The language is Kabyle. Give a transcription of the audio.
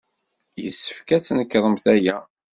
Yessefk ad tnekṛemt aya.